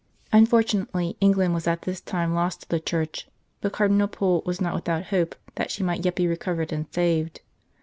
Unfortunately, England was at this time lost to the Church, but Cardinal Pole was not without hope that she might yet be recovered and saved.